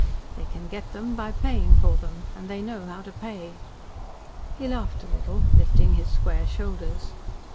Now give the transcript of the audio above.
They can get them by paying for them, and they know how to pay." He laughed a little, lifting his square shoulders.